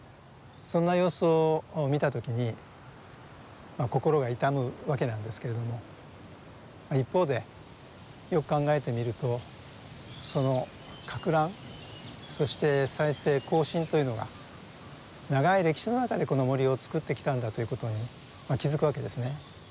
そんな様子を見た時に心が痛むわけなんですけれども一方でよく考えてみるとその攪乱そして再生更新というのが長い歴史の中でこの森を作ってきたんだということに気付くわけですね。